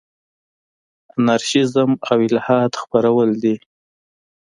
انارشیزم او الحاد خپرول دي.